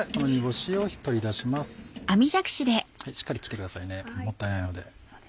しっかり切ってくださいねもったいないので。